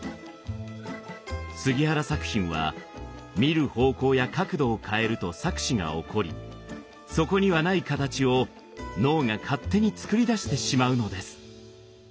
杉原作品は見る方向や角度を変えると錯視が起こりそこにはない形を脳が勝手に作り出してしまうのです。